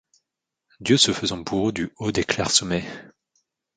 Dieu se faisant bourreau du haut des clairs sommets !